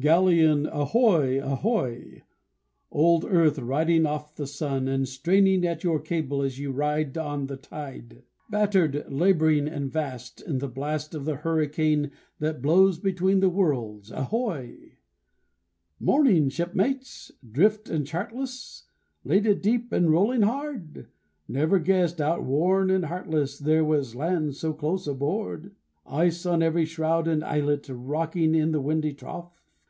Galleon, ahoy, ahoy! Old earth riding off the sun, And straining at your cable as you ride On the tide, Battered laboring and vast, In the blast Of the hurricane that blows between the worlds, Ahoy! 'Morning, shipmates! 'Drift and chartless? Laded deep and rolling hard? Never guessed, outworn and heartless, There was land so close aboard? Ice on every shroud and eyelet, Rocking in the windy trough?